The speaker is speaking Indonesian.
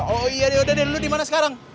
oh iya ya udah lu dimana sekarang